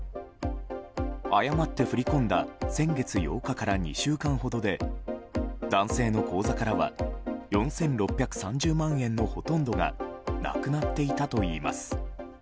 誤って振り込んだ先月８日から２週間ほどで男性の口座からは４６３０万円のほとんどがなくなっていたといいます。